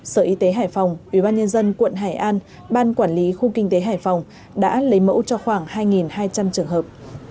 sở y tế hải phòng ubnd quận hải an ban quản lý khu kinh tế hải phòng đã lấy mẫu cho khoảng hai hai trăm linh trường hợp